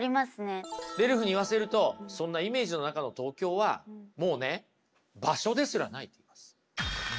レルフに言わせるとそんなイメージの中の東京はもうね場所ですらない。